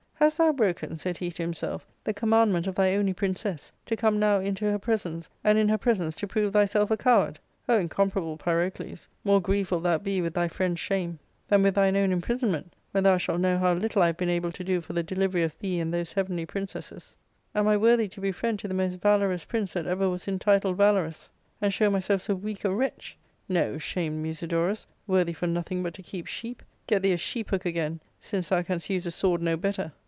Hast thou broken," said he to himself, " the commandment of thy only princess, to come now into her presence, and in her presence to prove thyself a coward ? O incomparable Pyrocles, more grieved wilt thou be with thy friend's shame 330 ARCADIA.— Book TIL than with thine own imprisonment, when thou shalt know how little I have been able to do for the delivery of thee and those heavenly princesses. Am I worthy to be friend to the most valorous prince that ever was intituled valorous, and show myself so weak a wretch ? No, shamed Musidorus, worthy for nothing but to keep sheep ; get thee a sheephook again, since thou canst use a sword no better."